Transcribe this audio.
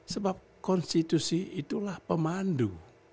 sebab konstitusi itulah pemandu